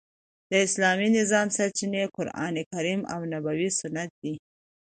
د اسلامي نظام سرچینې قران کریم او نبوي سنت دي.